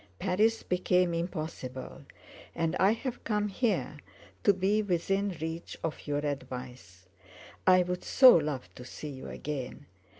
Paris became impossible—and I have come here to be within reach of your advice. I would so love to see you again.